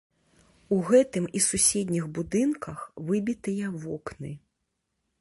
У гэтым і суседніх будынках выбітыя вокны.